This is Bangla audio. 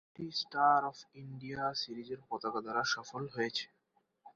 এটি স্টার অফ ইন্ডিয়া সিরিজের পতাকা দ্বারা সফল হয়েছিল।